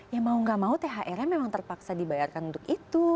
ya mau nggak mau thr nya memang terpaksa dibayarkan untuk itu